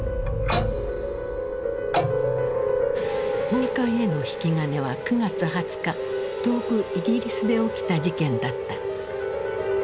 崩壊への引き金は９月２０日遠くイギリスで起きた事件だった。